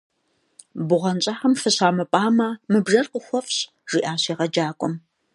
- Бгъуэнщӏагъым фыщамыпӏамэ, мы бжэр къухуэфщӏ, – жиӏащ егъэджакӏуэм.